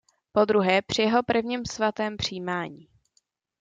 Podruhé při jeho prvním svatém přijímání.